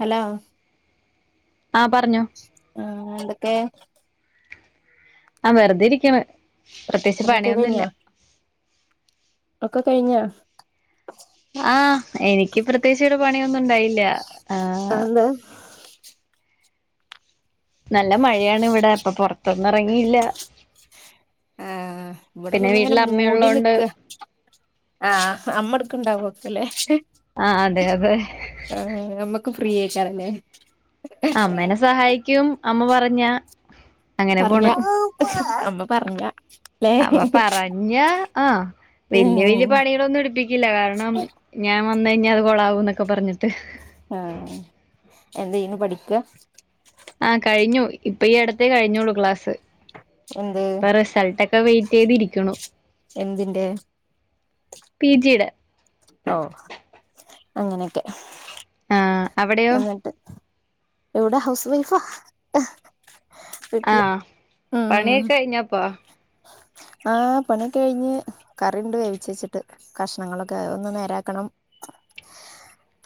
hello ആഹ് പറഞ്ഞോ ആഹ് എന്തൊക്കെ ആഹ് വെറുതെരിക്കണ് പ്രത്യേകിച്ച് പണിയൊക്കെ പണിയൊന്നുല്ല കഴിഞ്ഞോ ഒക്കെ കഴിഞ്ഞോ ആഹ് എനിക്ക് പ്രത്യേകിച്ച് ഇവിടെ പണിയൊന്നും ഒണ്ടായില്ല ആഹ് അതെന്താ നല്ല മഴയാണ് ഇവിടെ അപ്പൊ പൊറത്തൊന്നും ഇറങ്ങില്ല ആഹ് ഇവിടെ പിന്നെ ഇങ്ങനെ മൂടി വീട്ടിലമ്മയൊള്ളോണ്ട് നിക്ക ആഹ് അമ്മടക്ക്ണ്ടാവൊക്കെല്ലെ ആഹ് അതെ അതെ ആഹ് നമ്മുക്ക് ഫ്രീ ആയിക്കാരല്ലെ അമ്മേനെ സഹായിക്കും അമ്മ പറഞ്ഞ അങ്ങനെ പറഞ്ഞ പോണ് അമ്മ പറഞ്ഞാ ല്ലേ വെല്ല്യ വെല്ല്യ ഉം പണികളൊന്നും എടിപ്പിക്കില്ല കാരണം ഞാൻ വന്ന് കഴിഞ്ഞാ അത് കൊളാവുന്നൊക്കെ പറഞ്ഞിട്ട് ആഹ് എന്ത് ചെയ്യുന്നു പഠിക്കാ ആഹ് കഴിഞ്ഞു ഇപ്പ ഈ ഇടത്തേ കഴിഞ്ഞോളൂക്ലാസ് എന്ത് ഇപ്പൊ റിസൾട്ട ഒക്കെ വെയിറ്റ് ചെയ്തിരിക്കണു എന്തിന്റെ പി ജിയുടെ ഓ അങ്ങനേകെ ആ അവിടെയോ ഉട്ട [inaudible] എവിടെ ഹൗസ് വൈഫാ വീട്ടില് ഉം ഞ്ഞപ്പാ ആഹ് പണി ഒക്കെ കഴിഞ്ഞ് കറി ഇണ്ട് വേവിച്ച് വെച്ചിട്ട് കഷ്ണങ്ങളൊക്കെ ഒന്ന് നേരാക്കണം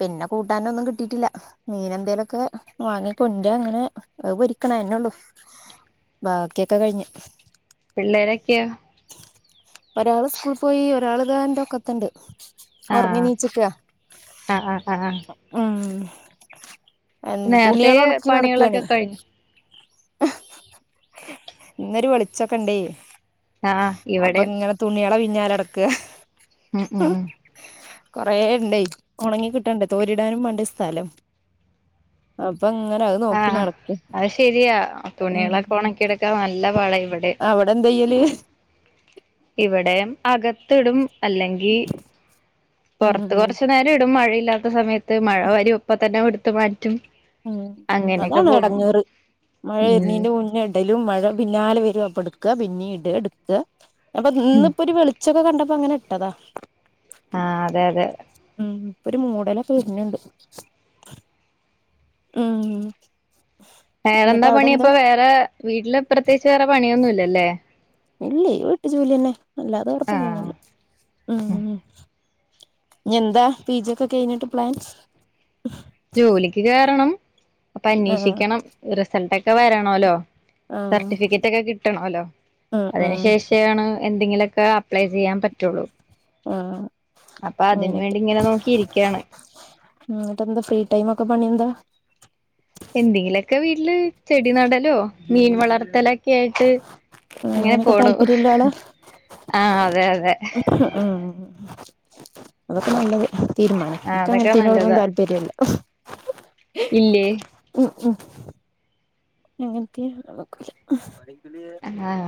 പിന്നെ കൂട്ടാനൊന്നും കിട്ടീട്ടില്ല മീനെന്തേലൊക്കെ വാങ്ങി കൊണ്ട് അങ്ങനെ അത്‌ പൊരിക്കണം അതെന്നെ ഉള്ളു ബാക്കിയൊക്കെ കഴിഞ്ഞ് പിള്ളേരൊക്കെയോ ഒരാള് സ്കൂൾ പോയി ഒരാൾ ഇതാ ഇന്റെ ഒക്കത്തണ്ട് ഒറങ്ങി ആഹ് നീച്ച്ക്ക ആഹ് ആഹ് ആഹ് ആഹ് ഉം എന്ത് നേരത്തെ തുണ്യാള് ഒണക്കി പണികളൊക്കെ നടക്കാണേ കഴിഞ്ഞു ഇന്നൊരു വെളിച്ചൊക്കെ ഇണ്ടേ ആഹ് അപ്പൊ ഇവിടെ ഇങ്ങനെ തുണ്യാളെ പിന്നാലെ നടക്ക ഉം ഉം കൊറെേ ഇണ്ടേയ് ഉണങ്ങി കിട്ടണ്ടേ തോരിടാനും വേണ്ടെ സ്ഥലം അപ്പൊ അങ്ങനെ അത്‌ ആഹ അത് ശെരിയാ ഉം തുണ്യാളൊക്കെ ഉണക്കി ഇടുക്കാ നല്ല പാട ഇവിടെ അവിടെ എന്ത ചെയ്യല് ഇവിടെ അകത്തിടും അല്ലെങ്കിൽ ഉം പുറത്ത് കുറച്ച് നേരം ഇടും മഴയില്ലാത്ത സമയത്ത് മഴ വരും ഒപ്പ തന്നെ ഇടുത്ത് മാറ്റും ഉം അങ്ങനെയൊക്കെ അതാണ് പോണു ഇടങ്ങേറ് മഴ ഉം വരുന്നീന്റെ മുന്നെ ഇടലും മഴ പിന്നാലെ വരും അപ്പ ഇട്ക്ക പിന്നിം ഇട ഇട്ക്ക അപ്പൊ ഇന്ന് ഇപ്പൊ ഒരു വെളി ഉച്ചൊക്കെ കണ്ടപ്പോ അങ്ങനെ ഇട്ടതാ ആഹ് അതെ അതെ ഉം ഇപ്പൊ ഒരു മൂടലൊക്കെ വെര്ണ് ണ്ട് ഉം എന്നിട്ട് വേറെന്താ അവിടെ പണി എന്താ അപ്പ വേറെ വീട്ടില് പ്രത്യേകിച്ച് വേറെ പണിയൊന്നുംല്ലലേ ഇല്ലേ വീട്ടു ജോലി തന്നെ അല്ലാതെ വേറെ പണി ആഹ് ഒന്നുംല്ല ഇനി എന്താ പീജി ഒക്കെ കഴിഞ്ഞിട്ട് പ്ലാൻ ജോലിക്ക് കേറണം അപ്പൊ ആഹ് അന്വേഷിക്കണം റിസൾട്ട് ഒക്കെ വരണോലൊ ആഹ് സർട്ടിഫിക്കറ്റ് ഒക്കെ കിട്ടണല്ലോ ആഹ് അതിന് ആഹ് ശേഷമാണ് എന്തെങ്കിലുമൊക്കെ അപ്ലൈ ചെയ്യാൻ പറ്റ പറ്റൊള്ളു ആഹ് അപ്പൊ അതിന് വേണ്ടി ഇങ്ങനെ നോക്കി ഇരിക്കാണ് ഉം ഇന്നിട്ട് എന്താ ഫ്രീ ടൈം ഒക്കെ പണിയെന്താ എന്തെങ്കിലൊക്കെ വീട്ടില് ചെടി നടലോ മീൻ വളർത്തലൊക്കെ ആയിട്ട് അങ്ങനെ അങ്ങനെയൊക്കെ പോണു താല്പര്യള്ള ആഹ് അതെ അതെ ആഹ് അതൊക്കെ നല്ലത് തീരുമാനം ആഹ് അതൊക്കെ ഇൻക്കങ്ങൻത്തീനോടൊന്നും നല്ലതാ താല്പര്യല്ല ഇല്ലേ ഉം ഉം [unintelligible] ആഹ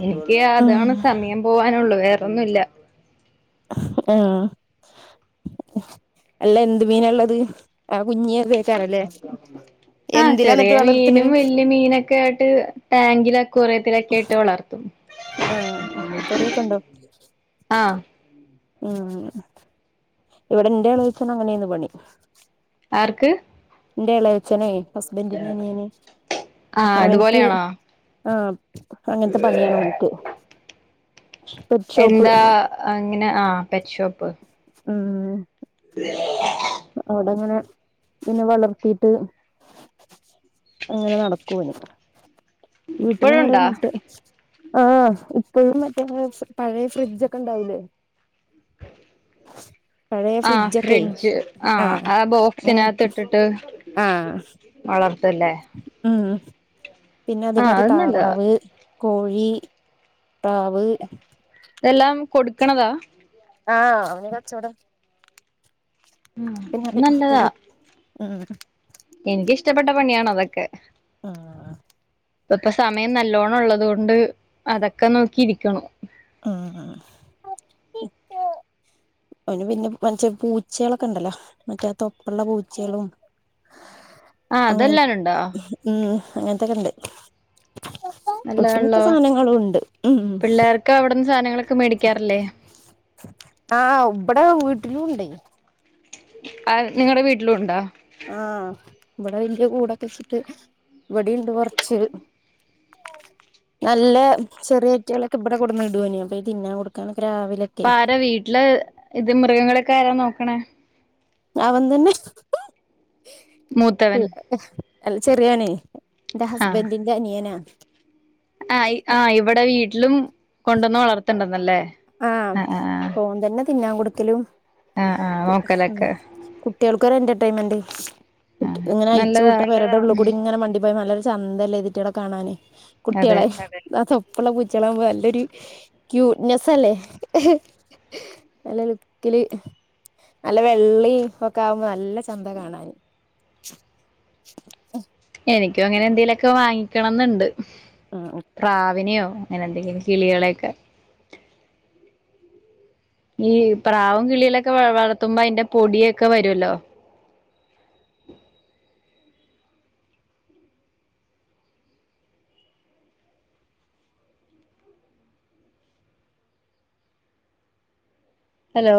ഇനിക്ക് അതാണ് ആഹ് സമയം പോവാനുള്ളു വേറൊന്നുല്ല ആഹ അല്ല എന്ത് മീനാ ഇള്ളത് ആഹ് കുഞ്ഞി [unintelligible] ആഹ ചെറിയ എന്നിട്ട് വളർത്തണ് മീനും വല്യ മീനൊക്കെ ആയിട്ട് ടാങ്കിലൊ അക്വാറിയത്തിലൊക്കെ ആയിട്ട് വളർത്തും ആ കൊറിയൊക്കെ ഉണ്ടോ ആഹ് ഉം ഇവിടെ എന്റെ എളേച്ചനും അങ്ങനെ ഏന്ന് പണി ആർക്ക് ഇന്റെ ഇളയച്ഛനെ ഹസ്ബൻഡിന്റെ അനിയന് ആഹ് അവൻക്ക് അതുപോലെയാണോ ആഹ് അങ്ങൻത്തെ പണി ഏണ് അവനിക്ക് പെറ്റ് ഷോപ്പ് എന്താ ഇങ്ങനെ ആ പെറ്റ്ഷോപ്പ് ഉം അ അവിടെ ഇങ്ങനെ പിന്നെ വളർത്തിട്ട് ഇങ്ങനെ നടക്കും ഇവര് എന്നിട്ട് വീട്ടിലും ഇപ്പഴുണ്ടോ [unintelligible] ആഹ് ഇപ്പഴും മറ്റേ പഴയ ഫ്രിഡ്ജ് ഒക്കെ ഒണ്ടാവില്ലേ പഴയ ആഹ് ഫ്രിഡ്ജൊക്കെ ഫ്രിഡ്ജ് ആ ആ അങ്ങ ബോക്സിനാത്ത് ഇട്ടിട്ട് ആ വളർത്തല്ലേ ഉം പിന്നെ അതേ ആഹ് മാതിരി അത് നല്ലതാ താറാവ് കോഴി പ്രാവ് ഇതെല്ലാം കൊടുക്കണതാ ആഹ് അവന് കച്ചോടം പിന്നെ അത് ടിവി ഉം എനിക്ക് ഇഷ്ടപ്പെട്ട പണിയാണ് അതൊക്കെ ആഹ് ഇപ്പ സമയം നല്ലോണം ഒള്ളത് കൊണ്ട് അതൊക്കെ നോക്കി ഇരിക്കണു ഉം അവന് പിന്നെ മറ്റേ പൂച്ചകള് ഒക്കെ ഒണ്ടല്ലാ മറ്റേ തൊപ്പള്ള പൂച്ചകളും ആഹ് അങ്ങ അതെല്ലാനുണ്ടോ ഉം അങ്ങൻത്തെക്കെ ഇണ്ട് ഒട്ടുമിക്ക നല്ലതാണല്ലോ സാധനങ്ങളും ഒണ്ട് ഉം ഒക്കെ അവിടുന്ന് സാധനങ്ങള് ഒക്കെ മേടിക്കാറില്ലേ ആഹ് ഉപ്പടെ വീട്ടിലും ഉണ്ടേ ആ നിങ്ങടെ വീട്ടിലും ഉണ്ടാ ആഹ് ഇവിടെ വെല്യ കൂട് ഒക്കെ വെച്ചിട്ട് ഇവിടെ ഇണ്ട് കൊറച്ച് നല്ല ചെറിയ ഇറ്റികള് ഒക്കെ ഇവിടെ കൊടുന്ന് ഇടും അയിന് അപ്പൊ തിന്നാൻ കൊടുക്കാൻ ഒക്കെ രാവി അപ്പ ആരാ വീട്ടില് ഇത് മൃഗങ്ങളെ ഒക്കെ ആരാ നോക്കണേ അവൻ തന്നെ മൂത്തവൻ ഉം ൽ ഉം അല്ല ചെറിയവനെ എൻ്റ ഹസ്ബൻ്റിന്റെ അനിയനാ ആഹ് ആഹ് ഇവിടെ വീട്ടിലും കൊണ്ടൊന്ന് വളർത്തണ്ടന്ന് അല്ലേ ആഹ് ഓന്തന്നേ തിന്നാൻ കൊടുക്കലും ആഹ് ആഹ് നോക്കലെക്കെ കുട്ടികൾക്ക് ഒരു എന്റർടൈൻമെന്റ് ആ ഇങ്ങനെ നല്ലതാ അയച്ചുവിട്ട പേരുടെ ഉള്ളി കൂടി ഇങ്ങനെ വണ്ടി പോയപ്പോ നല്ല രസ ചന്തല്ലേ ഇവിറ്റകളെ കാണാനേ അതെ കുട്ടികളെ ആ തൊപ്പള്ള പൂച്ചകള് ആകുമ്പ നല്ല ഒരു ക്യൂട്ടനെസ്സ് അല്ലേ നല്ല ലുക്കില് നല്ല വെള്ളി ഒക്കെ ആകുമ്പ നല്ല ചന്ത കാണാന് എനിക്കും അങ്ങനെ എന്തേലൊക്കെ വാങ്ങിക്കണം എന്ന്ണ്ട് ഉം പ്രാവിനയോ അങ്ങനെ എന്തെങ്കിലും കിളികളെക്കെ ഈ പ്രാവും കിളികളെയെക്കെ വളർത്തുമ്പോ അയിന്റെ പൊടിയക്കെ വരുല്ലോ ഹലോ